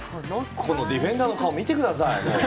ディフェンダーの顔見てくださいよ。